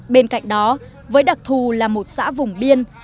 bên cạnh đó với đặc thù là một xã vùng biên